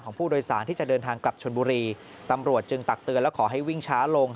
ผู้โดยสารที่จะเดินทางกลับชนบุรีตำรวจจึงตักเตือนและขอให้วิ่งช้าลง